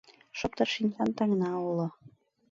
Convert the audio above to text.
Шоптыр шинчан таҥна уло